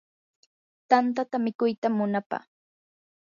tantata mikuytam munapaa.